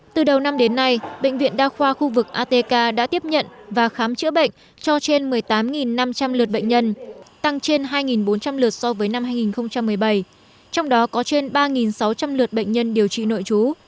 từ đầu năm đến nay bệnh viện đa khoa khu vực atk đã tiếp nhận và khám chữa bệnh cho trên một mươi tám năm trăm linh lượt bệnh nhân tăng trên hai bốn trăm linh lượt so với năm hai nghìn một mươi bảy trong đó có trên ba sáu trăm linh lượt bệnh nhân điều trị nội trú